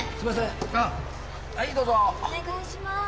お願いしまーす。